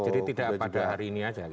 jadi tidak pada hari ini saja